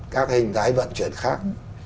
các hình giái vận chuyển khác